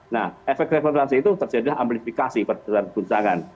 nah efek resonansi itu terjadi adalah amplifikasi berdasarkan guncangan